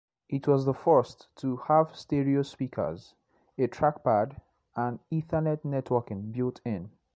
It was the first to have stereo speakers, a trackpad, and Ethernet networking built-in.